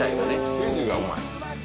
生地がうまい。